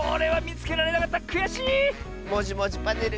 「もじもじパネル」